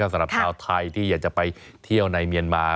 กับสหสาปทาวน์อะไทยที่อยากจะไปเที่ยวในเมียนม่า